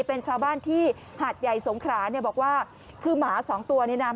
เป็นชาวบ้านที่หาดใหญ่สงขราเนี่ยบอกว่าคือหมาสองตัวเนี่ยนะ